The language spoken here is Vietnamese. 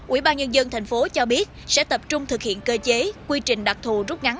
ủy ban nhân dân tp cho biết sẽ tập trung thực hiện cơ chế quy trình đặc thù rút ngắn